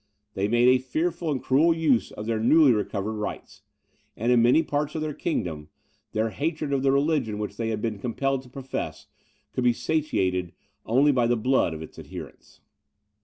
They made a fearful and cruel use of their newly recovered rights; and, in many parts of the kingdom, their hatred of the religion which they had been compelled to profess, could be satiated only by the blood of its adherents.